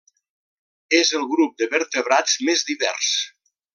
És el grup de vertebrats més divers.